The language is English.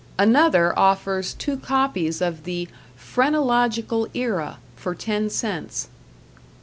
Another offers two copies of the "Phrenological Era" for ten cents.